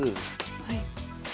はい。